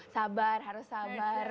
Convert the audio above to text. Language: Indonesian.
sabar harus sabar